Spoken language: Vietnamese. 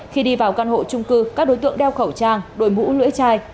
khi đi vào căn hộ trung cư các đối tượng đeo khẩu trang đổi mũ lưỡi chai